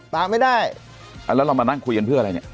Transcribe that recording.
ตามไม่ได้แล้วเรามานั่งคุยกันเพื่ออะไรเนี่ย